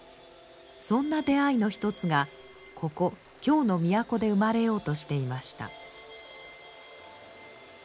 そんな出会いの一つがここ京の都で生まれようとしていました。